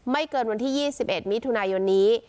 ไม่เกินวันที่๒๑มิตรทุนายนนี้